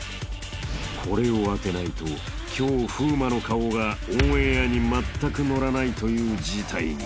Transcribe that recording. ［これを当てないと今日風磨の顔がオンエアにまったく乗らないという事態に］